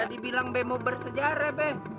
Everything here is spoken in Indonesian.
tadi bilang bmo bersejarah be